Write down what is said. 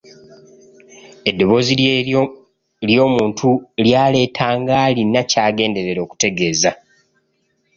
Eddoboozi lye lyo omuntu ly'aleeta ng'alina ky'agenderera okutegeeza.